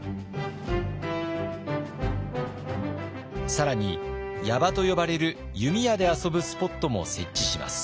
更に矢場と呼ばれる弓矢で遊ぶスポットも設置します。